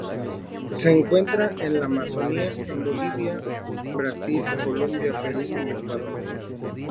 Se encuentra en la Amazonia, en Bolivia, Brasil, Colombia, Perú y Ecuador.